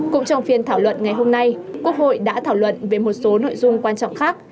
cũng trong phiên thảo luận ngày hôm nay quốc hội đã thảo luận về một số nội dung quan trọng khác